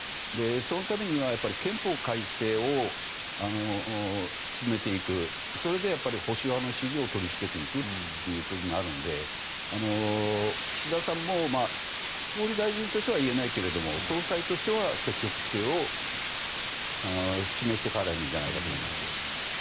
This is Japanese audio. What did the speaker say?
そのためには憲法改正を進めていくそれで保守派の支持を取りつけていくっていうことになるので岸田さんも総理大臣としては言えないけど総裁としては積極姿勢を示していかれるんじゃないかと思います。